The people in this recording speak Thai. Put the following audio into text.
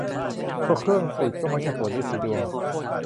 พอเครื่องติด ก็มักจะปวดรีดสีดวง